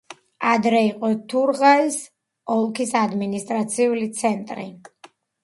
ადრე იყო თურღაის ოლქის ადმინისტრაციული ცენტრი.